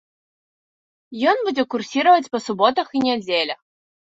Ён будзе курсіраваць па суботах і нядзелях.